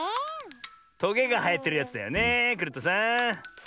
トゲがはえてるやつだよねえクルットさん。